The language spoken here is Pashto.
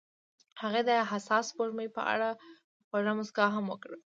هغې د حساس سپوږمۍ په اړه خوږه موسکا هم وکړه.